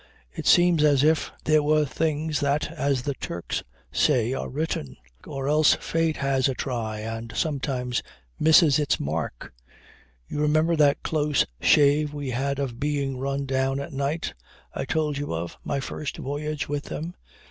It seems as if there were things that, as the Turks say, are written. Or else fate has a try and sometimes misses its mark. You remember that close shave we had of being run down at night, I told you of, my first voyage with them.